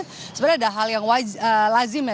sebenarnya ada hal yang lazim ya